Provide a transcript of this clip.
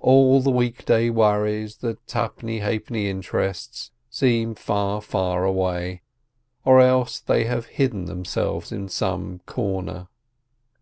All the week day worries, the two penny half penny interests, seem far, far away; or else they have hidden themselves in some corner.